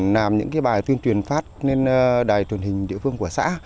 làm những cái bài tuyên truyền phát lên đài tuyển hình địa phương của xã